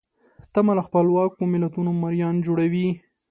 تمه له خپلواکو ملتونو مریان جوړوي.